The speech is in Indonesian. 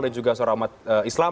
dan juga suara umat islam